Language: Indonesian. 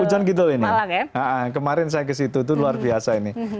hujan kidul ini kemarin saya ke situ itu luar biasa ini